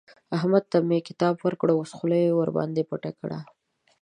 احمد ته مې کتاب ورکړی وو؛ اوس يې خوله ورباندې پټه کړه.